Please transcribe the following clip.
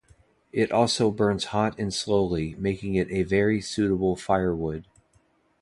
It also burns hot and slowly, making it a very suitable firewood.